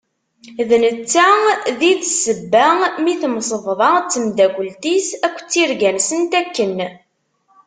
D netta d i d sebba mi temsebḍa d temdakelt-is akked tirga-nsent akken.